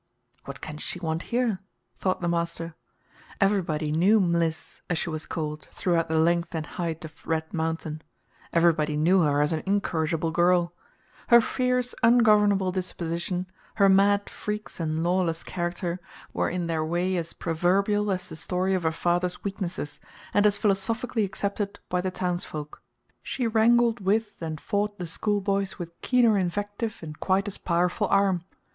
"What can she want here?" thought the master. Everybody knew "Mliss," as she was called, throughout the length and height of Red Mountain. Everybody knew her as an incorrigible girl. Her fierce, ungovernable disposition, her mad freaks and lawless character, were in their way as proverbial as the story of her father's weaknesses, and as philosophically accepted by the townsfolk. She wrangled with and fought the schoolboys with keener invective and quite as powerful arm.